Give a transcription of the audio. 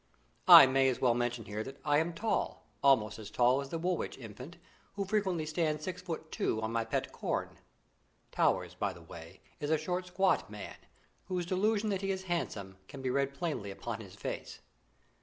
I may as well mention here that I am tall, almost as tall as the Woolwich Infant, who frequently stands six foot two on my pet corn (Towers, by the way, is a short squat man, whose delusion that he is handsome can be read plainly upon his face).